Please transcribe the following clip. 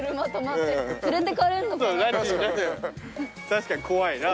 確かに怖いな。